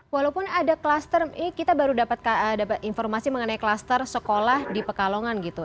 walaupun ada kluster ini kita baru dapat informasi mengenai kluster sekolah di pekalongan gitu